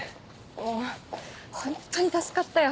もうホントに助かったよ